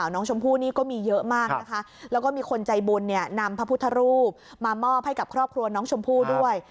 น้องชมพู่นี่ก็มีเยอะมากนะคะแล้วก็มีคนใจบุญเนี่ยนำพระพุทธรูปมามอบให้กับครอบครัวน้องชมพู่ด้วย